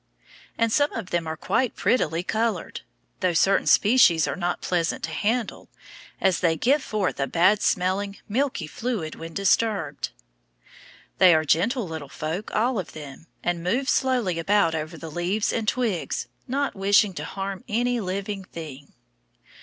And some of them are quite prettily colored, though certain species are not pleasant to handle, as they give forth a bad smelling milky fluid when disturbed. They are gentle little folk, all of them, and move slowly about over the leaves and twigs, not wishing to harm any living thing.